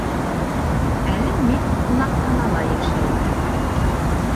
Әле мин ҡунаҡханала йәшәйем